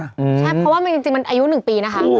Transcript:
ใช่เพราะว่าจริงมันอายุ๑ปีนะคะ